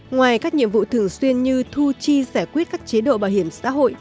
ngoài các nhiệm vụ thường xuyên như thu chi giải quyết các chế độ bảo hiểm xã hội